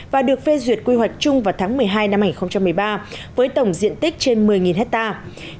và được phê duyệt quy hoạch chung vào tháng một mươi hai năm hai nghìn một mươi ba với tổng diện tích trên một mươi hectare